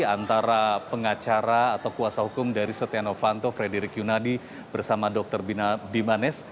antara pengacara atau kuasa hukum dari setia novanto frederick yunadi bersama dr bimanes